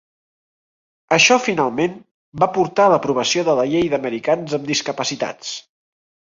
Això finalment va portar a l'aprovació de la Llei d'Americans amb Discapacitats.